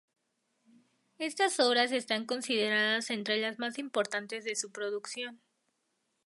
Estas obras están consideradas entre las más importantes de su producción.